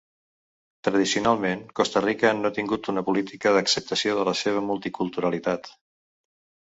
Tradicionalment, Costa Rica no ha tingut una política d'acceptació de la seva multiculturalitat.